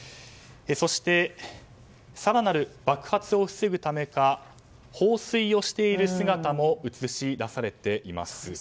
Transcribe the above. そして、更なる爆発を防ぐためか放水をしている姿も写し出されています。